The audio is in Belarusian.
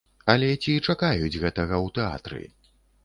Але ці чакаюць гэтага ў тэатры?